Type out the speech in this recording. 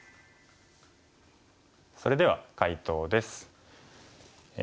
それでは解答です。